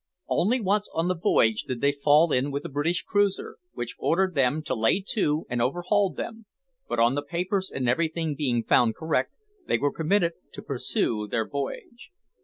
Only once on the voyage did they fall in with a British cruiser, which ordered them to lay to and overhauled them, but on the papers and everything being found correct, they were permitted to pursue their voyage.